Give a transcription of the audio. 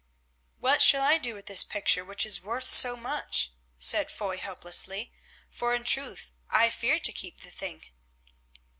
"What shall I do with this picture which is worth so much?" said Foy helplessly, "for in truth I fear to keep the thing."